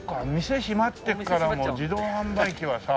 店閉まってるからもう自動販売機はさ。